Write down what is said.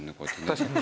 確かに。